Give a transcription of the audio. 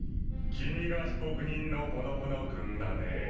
君が被告人のぼのぼの君だね。